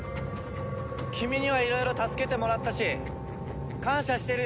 君にはいろいろ助けてもらったし感謝してるよ。